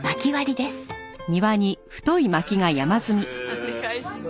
お願いします。